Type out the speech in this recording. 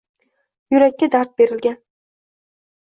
Yurakka dard berilgan